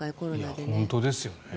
本当ですよね。